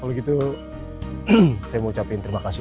kalau gitu saya mau ucapin terima kasih